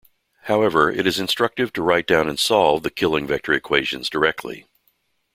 However, it is instructive to write down and solve the Killing vector equations directly.